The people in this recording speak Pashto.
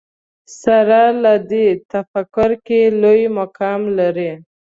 سره له دې تفکر کې لوی مقام لري